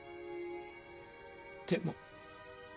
でも。